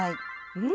うん！